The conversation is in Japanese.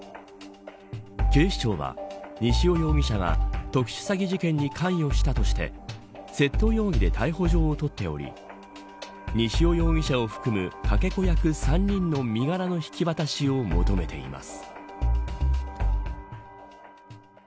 警視庁は西尾容疑者が特殊詐欺事件に関与したとして窃盗容疑で逮捕状を取っており西尾容疑者を含むかけ子役３人の身柄の引き渡しを求めています。